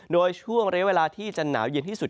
โดยช่วงระยะเวลาที่จะหนาวเย็นที่สุด